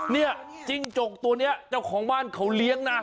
จิ้งจกตัวนี้เจ้าของบ้านเขาเลี้ยงนะ